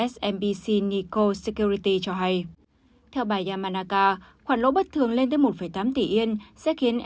smbc nikko security cho hay theo bài yamanaka khoản lỗ bất thường lên tới một tám tỷ yen sẽ khiến